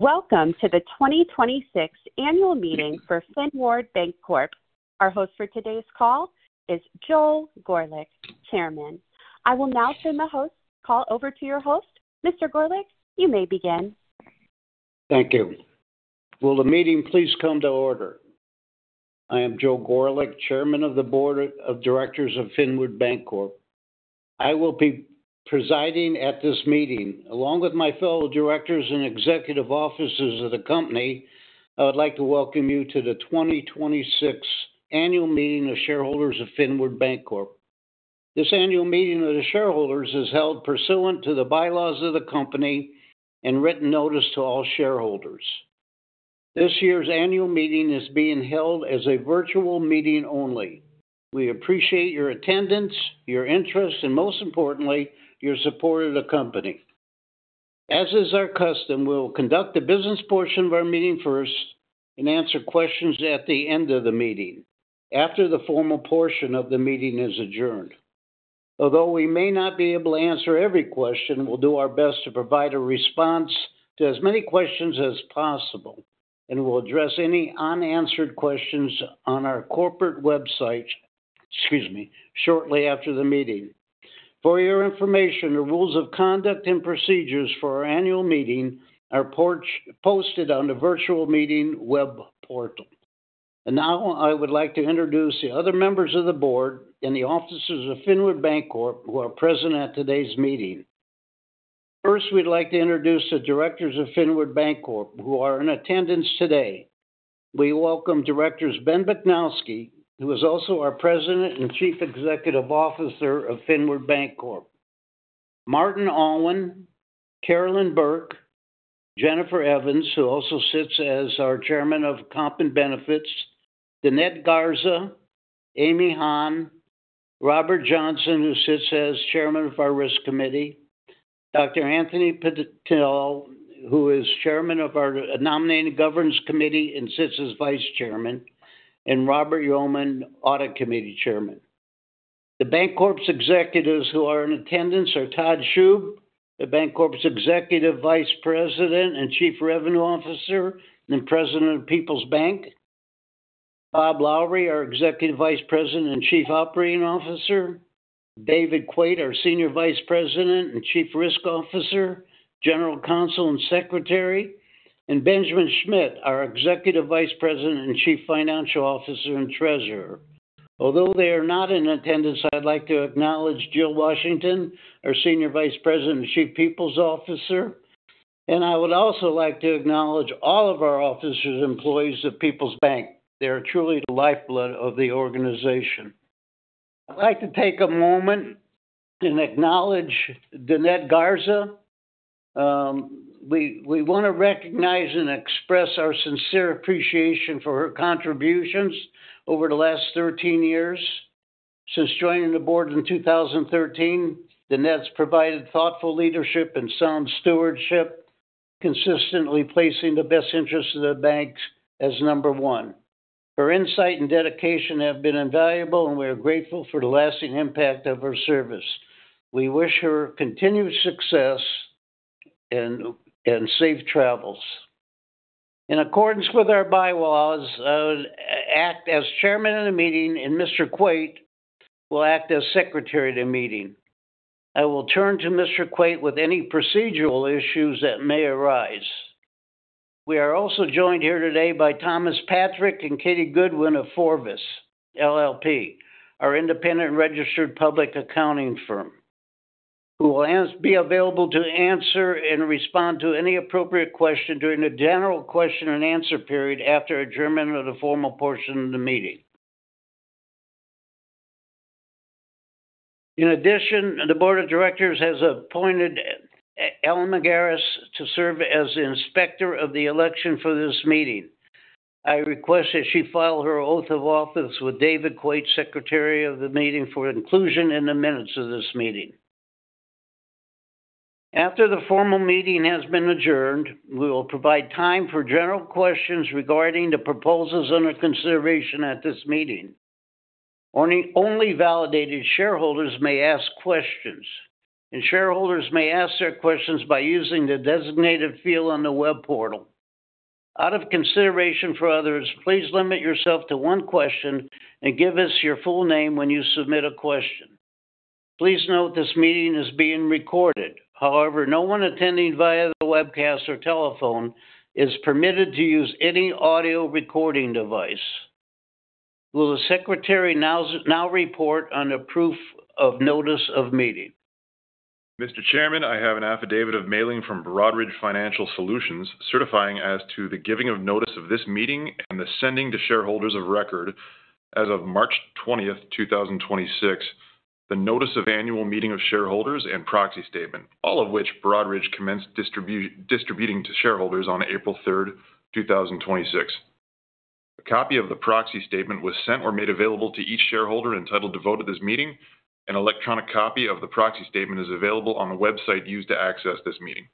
Welcome to the 2026 annual meeting for Finward Bancorp. Our host for today's call is Joel Gorelick, Chairman. I will now turn the call over to your host. Mr. Gorelick, you may begin. Thank you. Will the meeting please come to order? I am Joel Gorelick, Chairman of the Board of Directors of Finward Bancorp. I will be presiding at this meeting, along with my fellow directors and executive officers of the company. I would like to welcome you to the 2026 Annual Meeting of Shareholders of Finward Bancorp. This annual meeting of the shareholders is held pursuant to the bylaws of the company and written notice to all shareholders. This year's annual meeting is being held as a virtual meeting only. We appreciate your attendance, your interest, and most importantly, your support of the company. As is our custom, we'll conduct the business portion of our meeting first and answer questions at the end of the meeting after the formal portion of the meeting is adjourned. Although we may not be able to answer every question, we'll do our best to provide a response to as many questions as possible, and we'll address any unanswered questions on our corporate website shortly after the meeting. For your information, the rules of conduct and procedures for our annual meeting are posted on the virtual meeting web portal. Now I would like to introduce the other members of the board and the officers of Finward Bancorp who are present at today's meeting. First, we'd like to introduce the directors of Finward Bancorp who are in attendance today. We welcome directors Ben Bochnowski, who is also our President and Chief Executive Officer of Finward Bancorp. Martin Alwin, Carolyn Burke, Jennifer Evans, who also sits as our Chairman of Comp and Benefits, Danette Garza, Amy Han, Robert Johnson, who sits as Chairman of our Risk Committee, Dr. Anthony Puntillo, who is Chairman of our Nominating Governance Committee and sits as Vice Chairman, and Robert Yeoman, Audit Committee Chairman. The Bancorp's executives who are in attendance are Todd Scheub, the Bancorp's Executive Vice President and Chief Revenue Officer and President of Peoples Bank. Rob Lowry, our Executive Vice President and Chief Operating Officer. David Kwait, our Senior Vice President and Chief Risk Officer, General Counsel, and Secretary, and Benjamin Schmitt, our Executive Vice President and Chief Financial Officer and Treasurer. Although they are not in attendance, I'd like to acknowledge Jill Washington, our Senior Vice President and Chief Peoples Officer, and I would also like to acknowledge all of our officers and employees of Peoples Bank. They are truly the lifeblood of the organization. I'd like to take a moment and acknowledge Danette Garza. We want to recognize and express our sincere appreciation for her contributions over the last 13 years. Since joining the board in 2013, Danette's provided thoughtful leadership and sound stewardship, consistently placing the best interests of the banks as number one. Her insight and dedication have been invaluable, and we are grateful for the lasting impact of her service. We wish her continued success and safe travels. In accordance with our bylaws, I would act as Chairman of the meeting, and Mr. Kwait will act as Secretary of the meeting. I will turn to Mr. Kwait with any procedural issues that may arise. We are also joined here today by Thomas Patrick and Katie Goodwin of Forvis, LLP, our independent registered public accounting firm, who will be available to answer and respond to any appropriate question during the general question and answer period after adjournment of the formal portion of the meeting. In addition, the board of directors has appointed Ellen McGarris to serve as Inspector of the Election for this meeting. I request that she file her oath of office with David Kwait, Secretary of the meeting, for inclusion in the minutes of this meeting. After the formal meeting has been adjourned, we will provide time for general questions regarding the proposals under consideration at this meeting. Only validated shareholders may ask questions, and shareholders may ask their questions by using the designated field on the web portal. Out of consideration for others, please limit yourself to one question and give us your full name when you submit a question. Please note this meeting is being recorded. No one attending via the webcast or telephone is permitted to use any audio recording device. Will the Secretary now report on the proof of notice of meeting? Mr. Chairman, I have an affidavit of mailing from Broadridge Financial Solutions certifying as to the giving of notice of this meeting and the sending to shareholders of record as of March 20th, 2026, the notice of annual meeting of shareholders and proxy statement, all of which Broadridge commenced distributing to shareholders on April 3rd, 2026. A copy of the proxy statement was sent or made available to each shareholder entitled to vote at this meeting. An electronic copy of the proxy statement is available on the website used to access this meeting.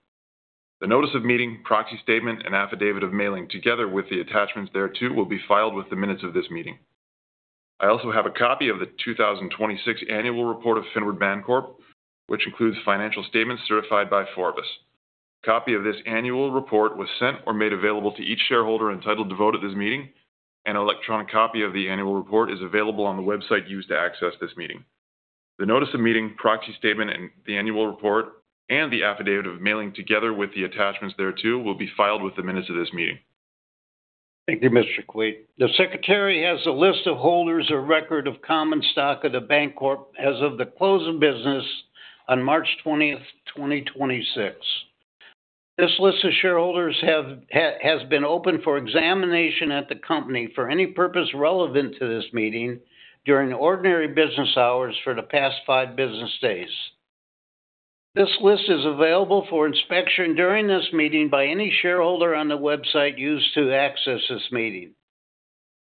The notice of meeting, proxy statement, and affidavit of mailing, together with the attachments thereto, will be filed with the minutes of this meeting. I also have a copy of the 2026 annual report of Finward Bancorp, which includes financial statements certified by Forvis. A copy of this annual report was sent or made available to each shareholder entitled to vote at this meeting. An electronic copy of the annual report is available on the website used to access this meeting. The notice of meeting, proxy statement, and the annual report, and the affidavit of mailing together with the attachments thereto, will be filed with the minutes of this meeting. Thank you, Mr. Kwait. The secretary has a list of holders of record of common stock of the Bancorp as of the close of business on March 20th, 2026. This list of shareholders has been open for examination at the company for any purpose relevant to this meeting during ordinary business hours for the past five business days. This list is available for inspection during this meeting by any shareholder on the website used to access this meeting.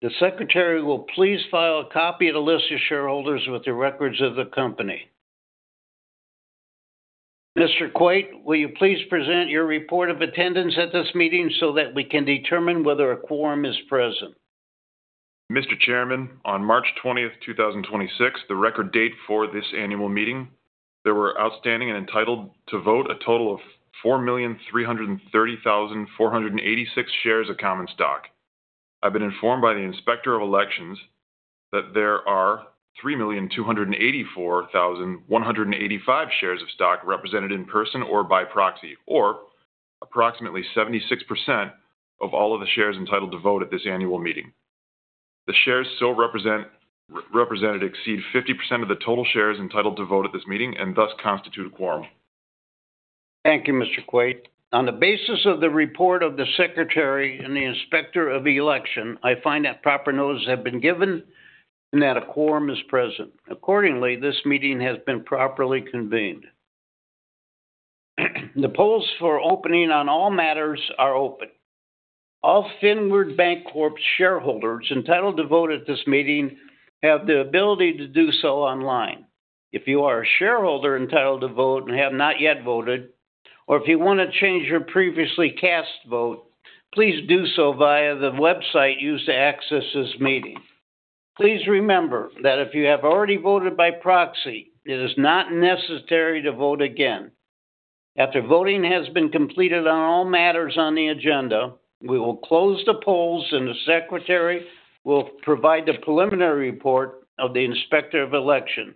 The secretary will please file a copy of the list of shareholders with the records of the company. Mr. Kwait, will you please present your report of attendance at this meeting so that we can determine whether a quorum is present? Mr. Chairman, on March 20th, 2026, the record date for this annual meeting, there were outstanding and entitled to vote a total of 4,330,486 shares of common stock. I've been informed by the Inspector of Elections that there are 3,284,185 shares of stock represented in person or by proxy, or approximately 76% of all of the shares entitled to vote at this annual meeting. The shares so represented exceed 50% of the total shares entitled to vote at this meeting and thus constitute a quorum. Thank you, Mr. Kwait. On the basis of the report of the secretary and the Inspector of Election, I find that proper notice have been given and that a quorum is present. Accordingly, this meeting has been properly convened. The polls for opening on all matters are open. All Finward Bancorp shareholders entitled to vote at this meeting have the ability to do so online. If you are a shareholder entitled to vote and have not yet voted, or if you want to change your previously cast vote, please do so via the website used to access this meeting. Please remember that if you have already voted by proxy, it is not necessary to vote again. After voting has been completed on all matters on the agenda, we will close the polls, and the secretary will provide the preliminary report of the Inspector of Election.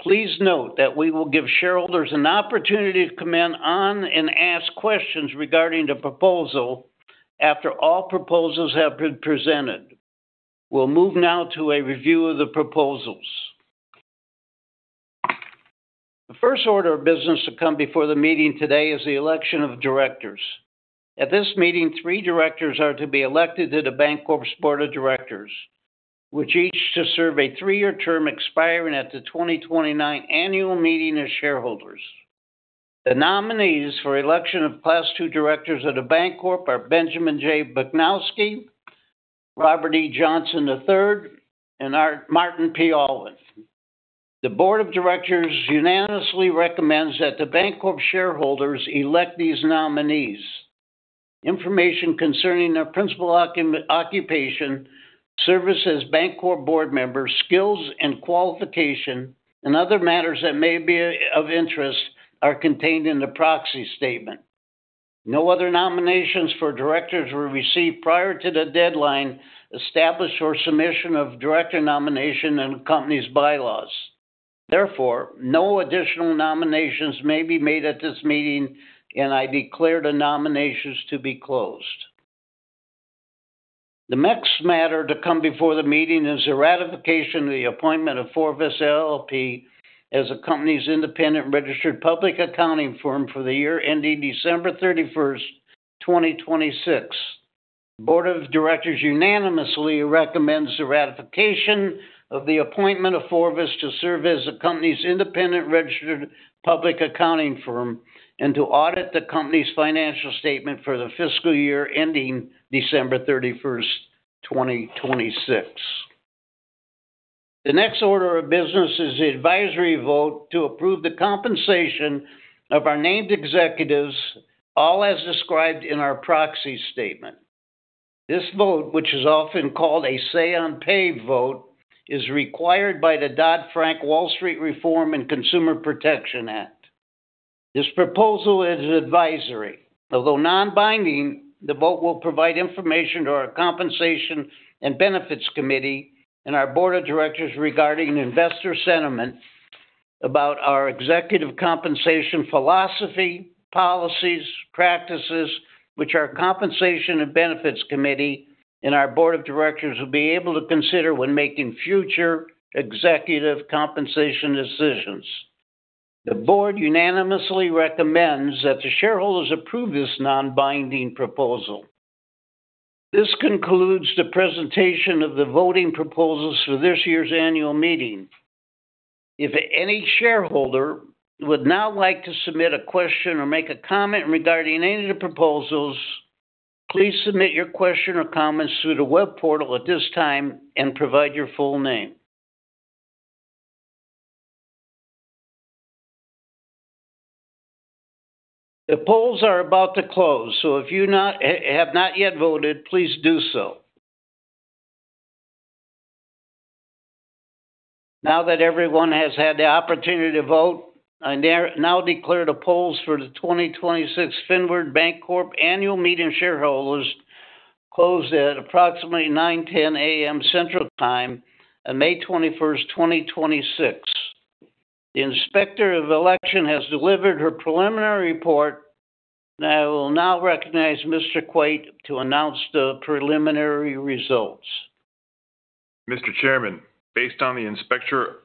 Please note that we will give shareholders an opportunity to comment on and ask questions regarding the proposal after all proposals have been presented. We'll move now to a review of the proposals. The first order of business to come before the meeting today is the election of directors. At this meeting, three directors are to be elected to the Bancorp's board of directors, with each to serve a three-year term expiring at the 2029 annual meeting of shareholders. The nominees for election of Class 2 directors of the Bancorp are Benjamin J. Bochnowski, Robert E. Johnson III, and Martin P. Alwin. The board of directors unanimously recommends that the Bancorp shareholders elect these nominees. Information concerning their principal occupation, service as Bancorp board members, skills and qualification, and other matters that may be of interest are contained in the proxy statement. No other nominations for directors were received prior to the deadline established for submission of director nomination in the company's bylaws. No additional nominations may be made at this meeting, and I declare the nominations to be closed. The next matter to come before the meeting is the ratification of the appointment of Forvis LLP as the company's independent registered public accounting firm for the year ending December 31st, 2026. The board of directors unanimously recommends the ratification of the appointment of Forvis to serve as the company's independent registered public accounting firm and to audit the company's financial statement for the fiscal year ending December 31st, 2026. The next order of business is the advisory vote to approve the compensation of our named executives, all as described in our proxy statement. This vote, which is often called a say-on-pay vote, is required by the Dodd-Frank Wall Street Reform and Consumer Protection Act. This proposal is advisory. Although non-binding, the vote will provide information to our Compensation and Benefits Committee and our Board of Directors regarding investor sentiment about our executive compensation philosophy, policies, practices, which our Compensation and Benefits Committee and our Board of Directors will be able to consider when making future executive compensation decisions. The Board unanimously recommends that the shareholders approve this non-binding proposal. This concludes the presentation of the voting proposals for this year's annual meeting. If any shareholder would now like to submit a question or make a comment regarding any of the proposals, please submit your question or comments through the web portal at this time and provide your full name. The polls are about to close, so if you have not yet voted, please do so. Now that everyone has had the opportunity to vote, I now declare the polls for the 2026 Finward Bancorp annual meeting of shareholders closed at approximately 9:10 A.M. Central Time on May 21st, 2026. The Inspector of Election has delivered her preliminary report. I will now recognize Mr. Kwait to announce the preliminary results. Mr. Chairman, based on the Inspector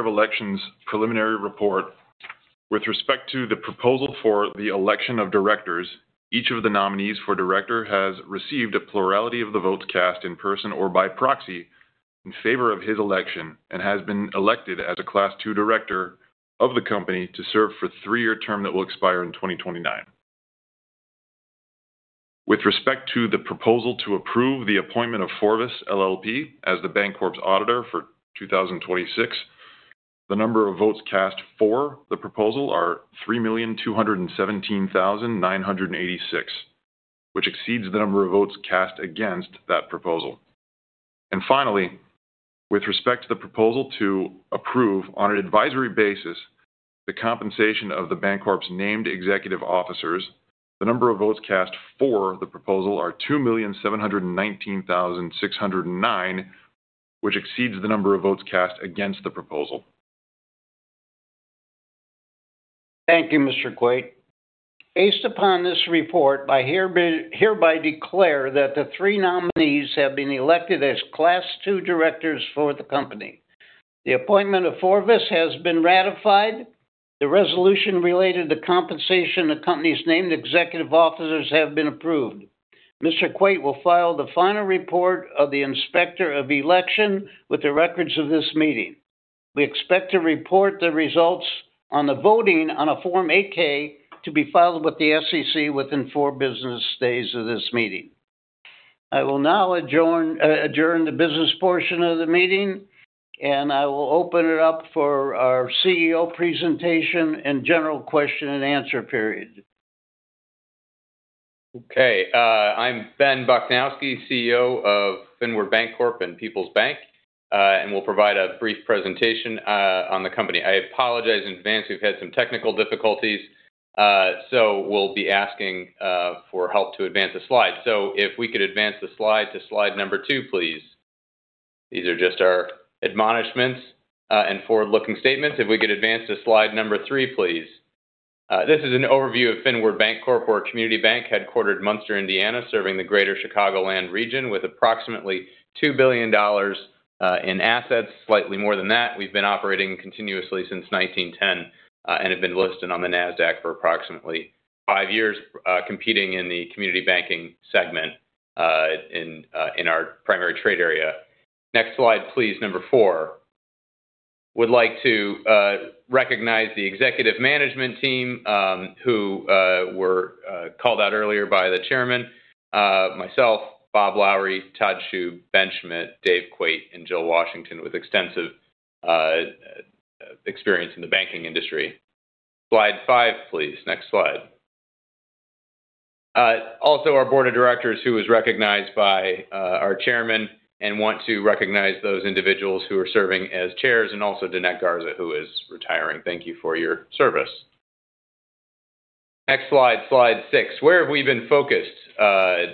of Elections preliminary report, with respect to the proposal for the election of directors, each of the nominees for director has received a plurality of the votes cast in person or by proxy in favor of his election and has been elected as a Class 2 director of the company to serve for a three-year term that will expire in 2029. With respect to the proposal to approve the appointment of Forvis LLP as the Bancorp's auditor for 2026, the number of votes cast for the proposal are 3,217,986, which exceeds the number of votes cast against that proposal. Finally, with respect to the proposal to approve, on an advisory basis, the compensation of the Bancorp's named executive officers, the number of votes cast for the proposal are 2,719,609, which exceeds the number of votes cast against the proposal. Thank you, Mr. Kwait. Based upon this report, I hereby declare that the three nominees have been elected as Class 2 directors for the company. The appointment of Forvis has been ratified. The resolution related to compensation of company's named executive officers have been approved. Mr. Kwait will file the final report of the Inspector of Election with the records of this meeting. We expect to report the results on the voting on a Form 8-K to be filed with the SEC within four business days of this meeting. I will now adjourn the business portion of the meeting, and I will open it up for our CEO presentation and general question and answer period. Okay. I'm Ben Bochnowski, CEO of Finward Bancorp and Peoples Bank, and will provide a brief presentation on the company. I apologize in advance. We've had some technical difficulties. We'll be asking for help to advance the slides. If we could advance the slide to slide number two, please. These are just our admonishments, and forward-looking statements. If we could advance to slide number three, please. This is an overview of Finward Bancorp. We're a community bank headquartered in Munster, Indiana, serving the greater Chicagoland region with approximately $2 billion in assets, slightly more than that. We've been operating continuously since 1910, and have been listed on the Nasdaq for approximately five years, competing in the community banking segment, in our primary trade area. Next slide, please. Number four. Would like to recognize the executive management team, who were called out earlier by the Chairman. Myself, Bob Lowry, Todd Scheub, Ben Schmitt, Dave Kwait, and Jill Washington, with extensive experience in the banking industry. Slide five, please. Next slide. Also, our Board of Directors, who was recognized by our Chairman and want to recognize those individuals who are serving as chairs, and also Danette Garza, who is retiring. Thank you for your service. Next slide, slide six. Where have we been focused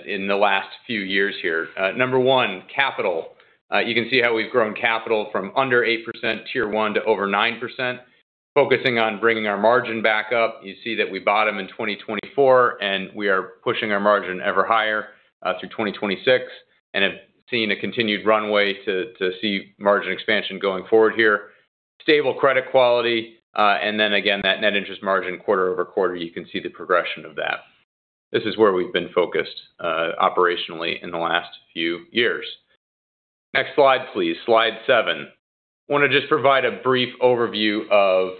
in the last few years here? Number one, capital. You can see how we've grown capital from under 8% Tier 1 to over 9%, focusing on bringing our net interest margin back up. You see that we bottomed in 2024, and we are pushing our net interest margin ever higher through 2026 and have seen a continued runway to see net interest margin expansion going forward here. Stable credit quality, that net interest margin quarter-over-quarter, you can see the progression of that. This is where we've been focused operationally in the last few years. Next slide, please. Slide seven. Want to just provide a brief overview of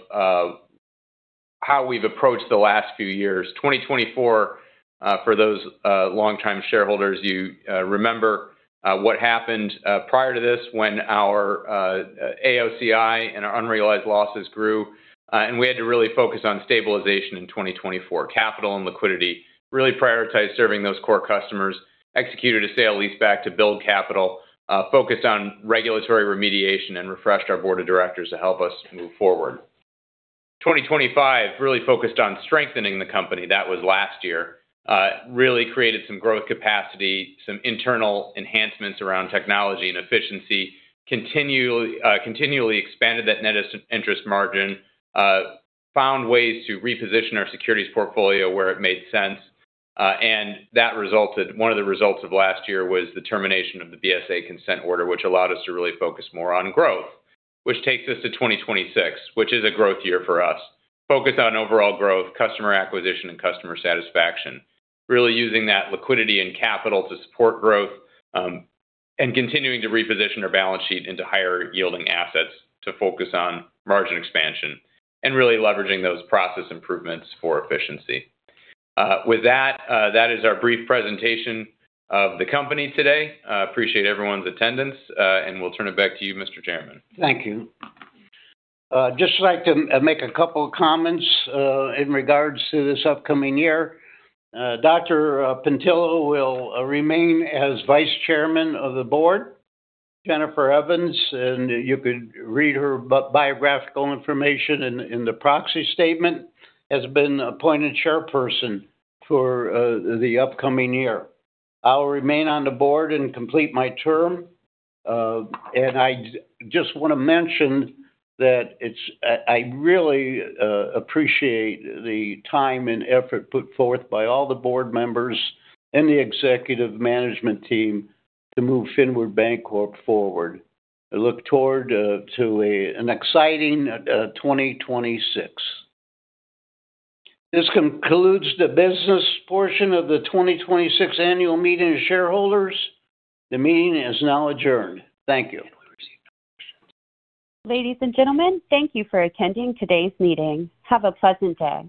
how we've approached the last few years. 2024, for those longtime shareholders, you remember what happened prior to this when our AOCI and our unrealized losses grew, and we had to really focus on stabilization in 2024. Capital and liquidity. Really prioritized serving those core customers, executed a sale-lease-back to build capital, focused on regulatory remediation, and refreshed our board of directors to help us move forward. 2025 really focused on strengthening the company. That was last year. Really created some growth capacity, some internal enhancements around technology and efficiency. Continually expanded that net interest margin. Found ways to reposition our securities portfolio where it made sense. One of the results of last year was the termination of the BSA consent order, which allowed us to really focus more on growth, which takes us to 2026, which is a growth year for us. Focused on overall growth, customer acquisition, and customer satisfaction. Really using that liquidity and capital to support growth, and continuing to reposition our balance sheet into higher-yielding assets to focus on margin expansion and really leveraging those process improvements for efficiency. With that is our brief presentation of the company today. Appreciate everyone's attendance. We'll turn it back to you, Mr. Chairman. Thank you. I just like to make a couple of comments in regards to this upcoming year. Dr. Puntillo will remain as Vice Chairman of the Board. Jennifer Evans, and you could read her biographical information in the proxy statement, has been appointed Chairperson for the upcoming year. I'll remain on the board and complete my term. I just want to mention that I really appreciate the time and effort put forth by all the board members and the executive management team to move Finward Bancorp forward. I look forward to an exciting 2026. This concludes the business portion of the 2026 annual meeting of shareholders. The meeting is now adjourned. Thank you. Ladies and gentlemen, thank you for attending today's meeting. Have a pleasant day.